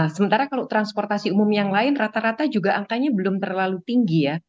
sementara kalau transportasi umum yang lain rata rata juga angkanya belum terlalu tinggi ya